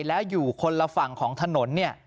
แล้วอยู่คนละฝั่งของถนน